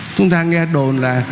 chúng ta nghe đồn là